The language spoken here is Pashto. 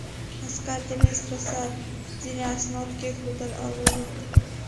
عسکر د مېز په سر ځینې اسناد کېښودل او ووت